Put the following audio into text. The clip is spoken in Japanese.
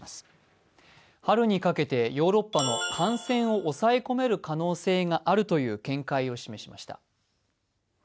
春にかけてヨーロッパの感染を押さえ込める可能性があるという見解を示しました。